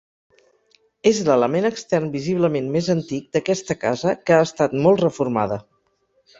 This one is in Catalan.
És l'element extern visiblement més antic, d'aquesta casa que ha estat molt reformada.